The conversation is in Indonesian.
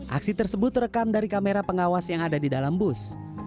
aksi tersebut terekam dari kamera pengawas yang ada di dalam bus